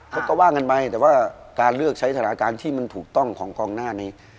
ว่าก็ว่ากันไปแต่ว่าการเลือกใช้สถานการณ์ที่มันถูกต้องของกองหน้านี้